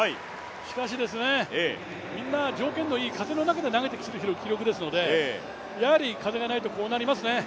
しかしですね、みんな条件のいい風のあるときに投げているのでやはり、風がないとこうなりますね。